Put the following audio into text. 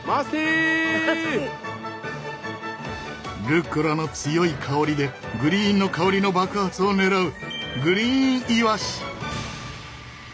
ルッコラの強い香りでグリーンの香りの爆発をねらうグリーンイワシ！